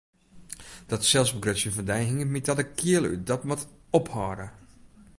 Dat selsbegrutsjen fan dy hinget my ta de kiel út, dat moat ophâlde!